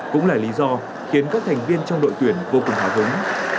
cũng là lý do khiến các thành viên trong đội tuyển vô cùng hào hứng